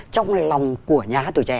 trong lòng của nhà hát tuổi trẻ